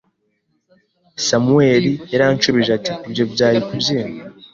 Samuel yarashubije ati: "Ibyo byari kubyimba.